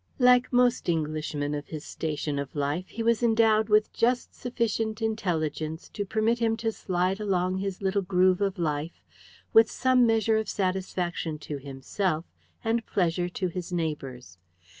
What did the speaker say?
Like most Englishmen of his station of life, he was endowed with just sufficient intelligence to permit him to slide along his little groove of life with some measure of satisfaction to himself and pleasure to his neighbours.